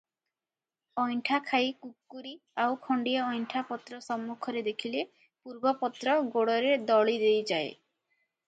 ଅଇଣ୍ଠା ଖାଈ କୁକ୍କୁରୀ ଆଉ ଖଣ୍ତିଏ ଅଇଣ୍ଠା ପତ୍ର ସମ୍ମୁଖରେ ଦେଖିଲେ ପୂର୍ବପତ୍ର ଗୋଡ଼ରେ ଦଳିଦେଇଯାଏ ।